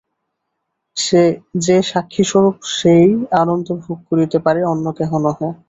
যে সাক্ষিস্বরূপ সে-ই আনন্দ ভোগ করিতে পারে, অন্য কেহ নহে।